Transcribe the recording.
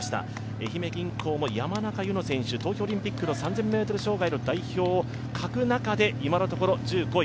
愛媛銀行も山中柚乃選手、東京オリンピックの３０００ｍ障害の代表を欠く中で今のところ１５位。